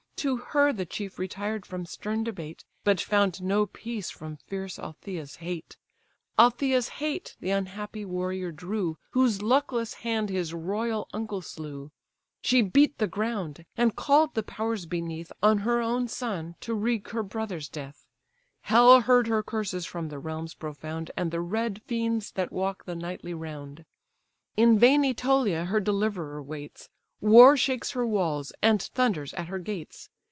To her the chief retired from stern debate, But found no peace from fierce Althaea's hate: Althaea's hate the unhappy warrior drew, Whose luckless hand his royal uncle slew; She beat the ground, and call'd the powers beneath On her own son to wreak her brother's death; Hell heard her curses from the realms profound, And the red fiends that walk the nightly round. In vain Ætolia her deliverer waits, War shakes her walls, and thunders at her gates.